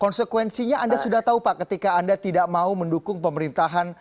konsekuensinya anda sudah tahu pak ketika anda tidak mau mendukung pemerintahan